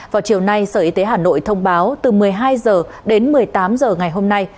vào chiều nay sở y tế hà nội thông báo từ một mươi hai h đến một mươi tám h ngày hôm nay